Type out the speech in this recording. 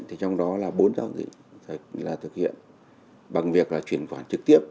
thì trong đó là bốn giao dịch là thực hiện bằng việc là chuyển khoản trực tiếp